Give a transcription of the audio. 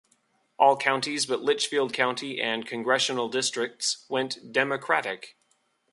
All counties but Litchfield County and congressional districts went Democratic.